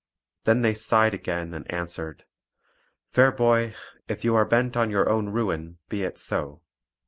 Then they sighed again and answered: "Fair boy, if you are bent on your own ruin, be it so.